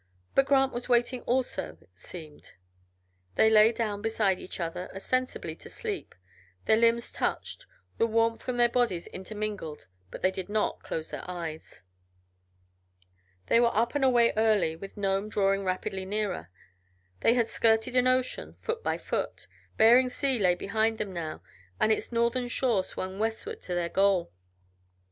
But Grant was waiting also, it seemed. They lay down beside each other, ostensibly to sleep; their limbs touched; the warmth from their bodies intermingled, but they did not close their eyes. They were up and away early, with Nome drawing rapidly nearer. They had skirted an ocean, foot by foot; Bering Sea lay behind them, now, and its northern shore swung westward to their goal.